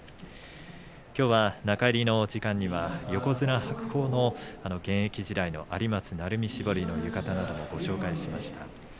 きょうは中入りの時間には横綱白鵬の現役時代の有松鳴海絞りの浴衣などもご紹介しました。